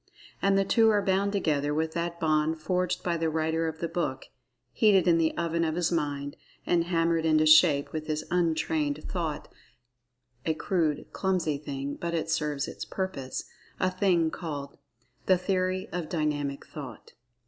And the two are bound together with that bond forged by the writer of the book—heated in the oven of his mind, and hammered into shape with his "untrained" thought—a crude, clumsy thing, but it serves its purpose—a thing called "The Theory of Dynamic Thought."